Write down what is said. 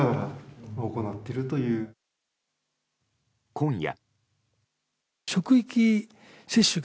今夜。